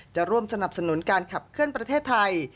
จะร่วมสนับสนุนการขับเคลื่อนประเทศไทย